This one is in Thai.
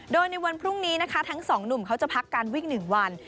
โดยในวันพรุ่งนี้นะคะทั้งสองหนุ่มเขาจะพักการวิ่ง๑วัน